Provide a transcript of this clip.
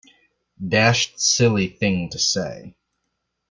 Dashed silly thing to say.